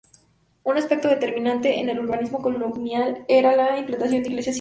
Un aspecto determinante en el urbanismo colonial era la implantación de iglesias y conventos.